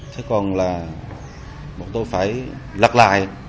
thế còn là bọn tôi phải lặp lại